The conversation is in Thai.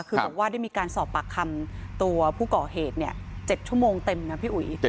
คือบอกว่าได้มีการสอบปากคำตัวผู้ก่อเหตุ๗ชั่วโมงเต็มนะพี่อุ๋ย